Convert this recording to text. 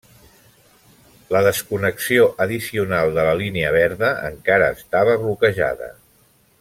La desconnexió addicional de la Línia Verda encara estava bloquejada.